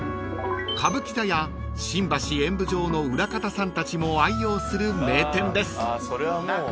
［歌舞伎座や新橋演舞場の裏方さんたちも愛用する名店です］